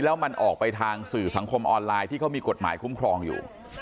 แล้วมันออกไปทางสื่อสังคมออนไลน์ที่เขามีกฎหมายคุ้มครองอยู่